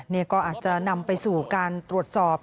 นี่ก็อาจจะนำไปสู่การตรวจสอบ